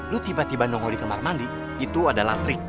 lu tiba tiba nongol di kamar mandi itu adalah trik